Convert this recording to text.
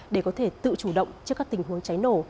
để có thể tự chủ động trước các tình huống cháy nổ